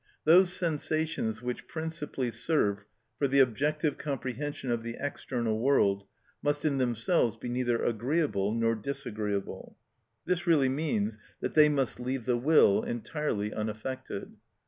Those sensations which principally serve for the objective comprehension of the external world must in themselves be neither agreeable nor disagreeable. This really means that they must leave the will entirely unaffected.